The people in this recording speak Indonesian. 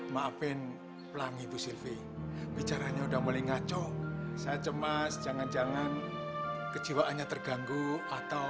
maafin pelangi bu silvi bicaranya udah mulai ngaco saya cemas jangan jangan kejiwaannya terganggu atau